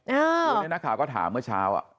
อันนี้นักข่าวก็ถามเมื่อเช้า